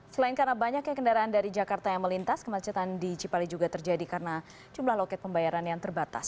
selain karena banyaknya kendaraan dari jakarta yang melintas kemacetan di cipali juga terjadi karena jumlah loket pembayaran yang terbatas